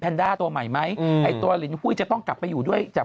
ด้าตัวใหม่ไหมอืมไอ้ตัวลินหุ้ยจะต้องกลับไปอยู่ด้วยจาก